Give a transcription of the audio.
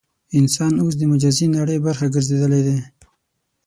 انسان اوس د مجازي نړۍ برخه ګرځېدلی دی.